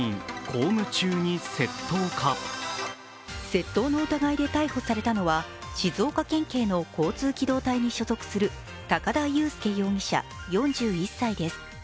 窃盗の疑いで逮捕されたのは静岡県警の交通機動隊に所属する高田雄介容疑者４１歳です。